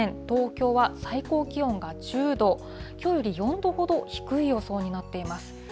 東京は最高気温が１０度、きょうより４度ほど低い予想になっています。